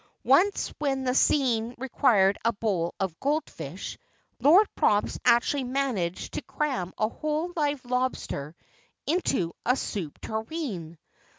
Once when the scene required a bowl of goldfish, Lord Props actually managed to cram a whole live lobster into a soup tureen.